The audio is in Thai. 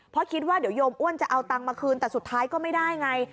เพราะคิดว่าเดี๋ยวโยมอ้วนจะเอาตังค์มาคืนแต่สุดท้ายก็ไม่ได้ไง